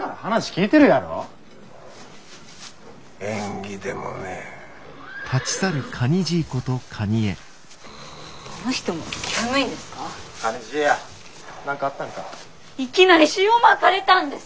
いきなり塩まかれたんです！